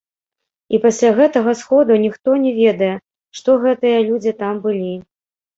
І пасля гэтага сходу ніхто не ведае, што гэтыя людзі там былі.